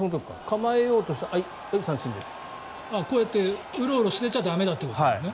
構えようとしたらこうやってウロウロしてちゃ駄目ってことね。